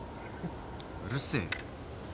うるせえよ。